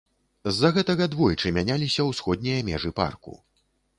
З-за гэтага двойчы мяняліся ўсходнія межы парку.